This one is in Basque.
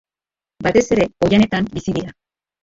Batez ere ohianetan bizi dira.